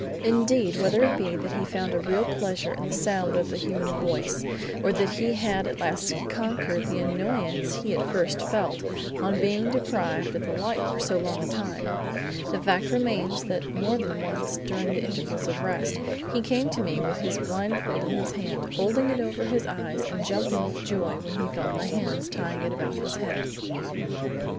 Indeed, whether it be that he found a real pleasure in the sound of the human voice, or that he had at last conquered the annoyance he at first felt on being deprived of the light for so long a time, the fact remains that more than once, during the intervals of rest, he came to me with his blindfold in his hand, holding it over his eyes, and jumping with joy when he felt my hands tying it about his head.